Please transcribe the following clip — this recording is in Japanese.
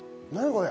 これ。